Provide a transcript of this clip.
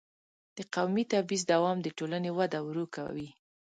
د قومي تبعیض دوام د ټولنې وده ورو کوي.